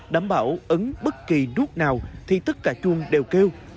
đảm bảo ứng bất kỳ nút nào thì tất cả chuông đều kêu